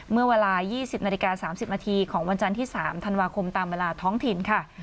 เมื่อเวลา๒๐นาฬิกา๓๐นาทีของวันจันทร์ที่๓ธันวาคมตามเวลาท้องถิ่นค่ะ